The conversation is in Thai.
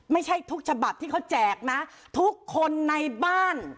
ไม่ใช่ทุกฉบับที่เขาแจกนะทุกคนในบ้าน